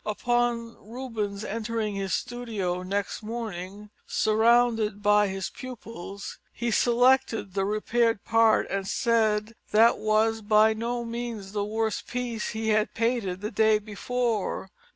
Upon Rubens entering his studio next morning, surrounded by his pupils, he selected the repaired part and said that that was by no means the worst piece he had painted the day before.